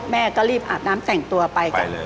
แม่ก็รีบอาบน้ำแต่งตัวไป